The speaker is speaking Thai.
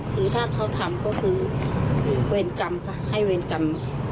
คือถ้าเขาทำก็คือเวรกรรมค่ะให้เวรกรรม